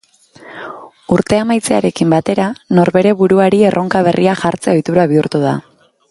Urtea amaitzearekin batera, norbere buruari erronka berriak jartzea ohitura bihurtu da.